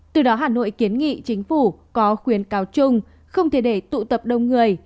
từ đó hà nội kiến nghị chính phủ có khuyến cáo chung không thể để tụ tập đông người